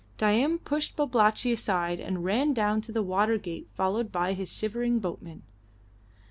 Dain pushed Babalatchi aside and ran down to the water gate followed by his shivering boatmen.